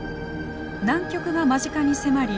南極が間近に迫り